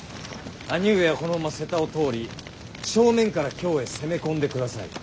兄上はこのまま勢多を通り正面から京へ攻め込んでください。